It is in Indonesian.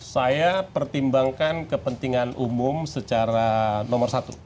saya pertimbangkan kepentingan umum secara nomor satu